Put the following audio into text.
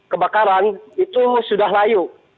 kebakaran itu sudah layu